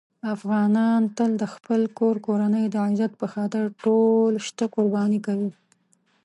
افغانان تل د خپل کور کورنۍ د عزت په خاطر ټول شته قرباني کوي.